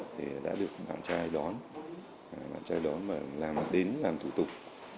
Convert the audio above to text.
thì đã được bạn trai đón bạn trai đón và làm đến làm thủ tục